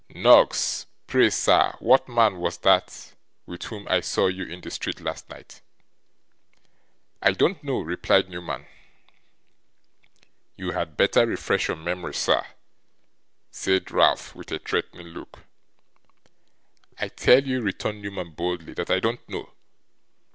Noggs! Pray, sir, what man was that, with whom I saw you in the street last night?' 'I don't know,' replied Newman. 'You had better refresh your memory, sir,' said Ralph, with a threatening look. 'I tell you,' returned Newman boldly, 'that I don't know.